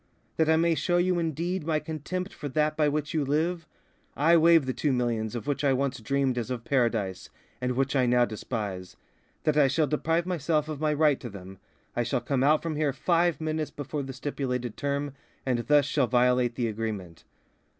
"That I may show you in deed my contempt for that by which you live, I waive the two millions of which I once dreamed as of paradise, and which I now despise. That I may deprive myself of my right to them, I shall come out from here five minutes before the stipulated term, and thus shall violate the agreement."